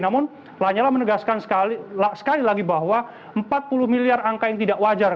namun lanyala menegaskan sekali lagi bahwa empat puluh miliar angka yang tidak wajar